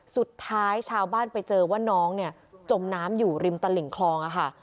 สุดท้ายชาวบ้านไปเจอว่าน้องเนี่ยจมน้ำอยู่ริมตลิ่งคลองค่ะ